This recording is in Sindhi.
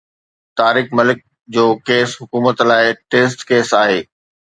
طارق ملڪ جو ڪيس حڪومت لاءِ ٽيسٽ ڪيس آهي.